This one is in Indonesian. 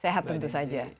sehat tentu saja